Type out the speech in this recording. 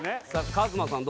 ＫＡＭＡさん